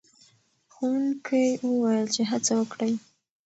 ښوونکی وویل چې هڅه وکړئ.